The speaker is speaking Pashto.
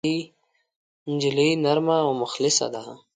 نجلۍ نرمه او مخلصه ده.